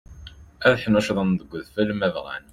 Ad ḥnuccḍen deg udfel ma bɣan.